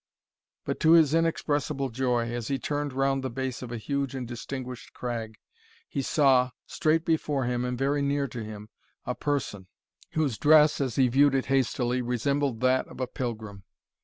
But to his inexpressible joy, as he turned round the base of a huge and distinguished crag, he saw, straight before and very near to him, a person, whose dress, as he viewed it hastily, resembled that of a pilgrim.